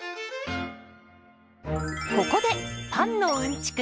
ここでパンのうんちく